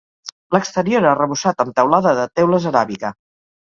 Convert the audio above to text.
L'exterior arrebossat amb teulada de teules aràbiga.